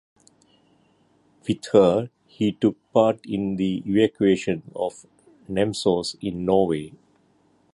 With her he took part in the evacuation of Namsos in Norway.